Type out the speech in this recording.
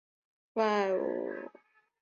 其他电视台播出时间详见周四剧场。